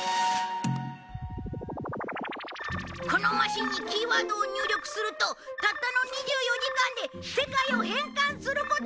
このマシンにキーワードを入力するとたったの２４時間で世界を変換することができる！